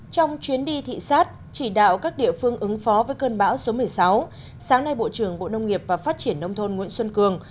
trong chuyến đi thị xát chỉ đạo các địa phương ứng phó với cơn bão số một mươi sáu sáng nay bộ trưởng bộ nông nghiệp và phát triển nông thôn nguyễn xuân cường